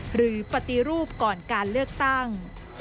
หรือปฏิรูปก่อนการเลือกตั้ง